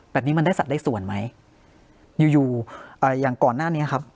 แบบนี้มันได้สัดได้ส่วนไหมอยู่อยู่อ่าอย่างก่อนหน้านี้ครับ